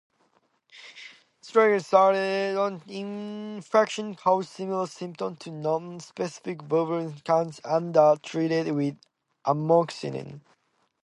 "Streptococcus" infections cause similar symptoms to nonspecific vulvovaginitis and are treated with amoxicillin.